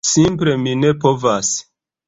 Simple mi ne povas.